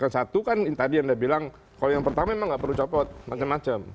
satu kan tadi anda bilang kalau yang pertama memang nggak perlu copot macam macam